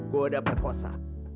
gue udah berkosa